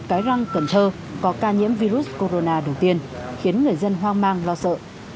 cái răng cần thơ có ca nhiễm virus corona đầu tiên khiến người dân hoang mang lo sợ